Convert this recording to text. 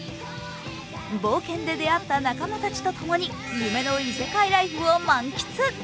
冒険で出会った仲間たちとともに、夢の異世界ライフを満喫。